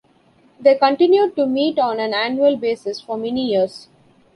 They continued to meet on an annual basis for many years.